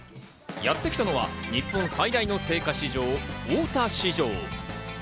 やってきたのは、日本最大の青果市場・大田市場。